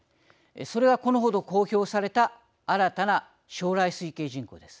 それがこのほど公表された新たな将来推計人口です。